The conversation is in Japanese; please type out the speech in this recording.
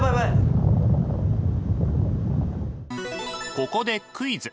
ここでクイズ！